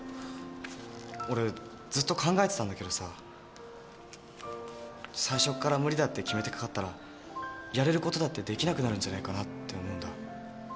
俺ずっと考えてたんだけどさ最初っから無理だって決めてかかったらやれることだってできなくなるんじゃないかなって思うんだ。